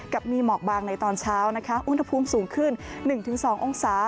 มีหมอกบางในตอนเช้านะคะอุณหภูมิสูงขึ้น๑๒องศา